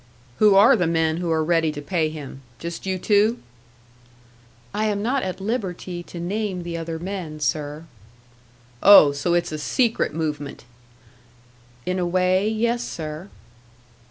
"Who are the men who are ready to pay him? Just you two" "I am not at liberty to name the other men, sir." "Oh! So it's a secret movement!" "In a way yes, sir."